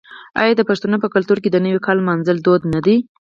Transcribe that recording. آیا د پښتنو په کلتور کې د نوي کال لمانځل دود نه دی؟